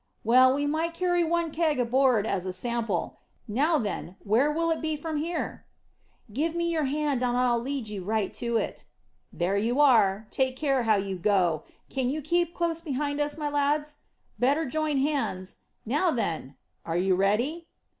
"Well, we might carry one keg aboard, as a sample. Now then, where will it be from here?" "Give me your hand, and I'll lead you right to it." "There you are. Take care how you go. Can you keep close behind us, my lads? Better join hands. Now then, are you ready?"